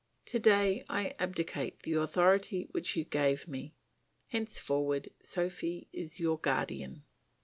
To day I abdicate the authority which you gave me; henceforward Sophy is your guardian."